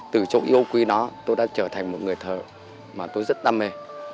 từ chỗ yêu quý nó tôi đã trở thành một người thờ mà tôi rất đam mê